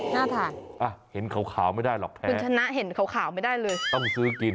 น่าทานอ่ะเห็นขาวไม่ได้หรอกแพงคุณชนะเห็นขาวไม่ได้เลยต้องซื้อกิน